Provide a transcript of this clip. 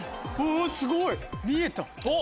あっすごい！見えた。